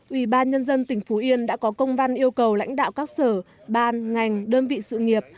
ủy ban nhân dân tỉnh phú yên đã có công văn yêu cầu lãnh đạo các sở ban ngành đơn vị sự nghiệp